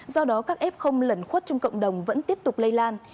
do đó các ép không lẩn khuất trong cộng đồng vẫn tiếp tục lây lan